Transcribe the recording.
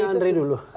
tanya andre dulu